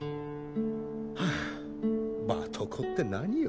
はぁバトコって何よ？